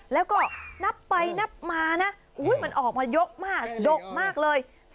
แล้วก็นับไปนับมานะมันออกมาเยอะมากดกมากเลย